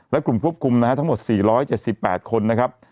และกลุ่มทบคุมนะฮะทั้งหมดสี่ร้อยเจ็ดสิบแปดคนนะครับ